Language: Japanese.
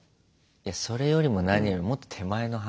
いやそれよりも何よりもっと手前の話だね。